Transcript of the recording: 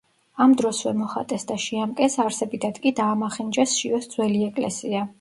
ამ დროსვე მოხატეს და „შეამკეს“, არსებითად კი დაამახინჯეს შიოს ძველი ეკლესია.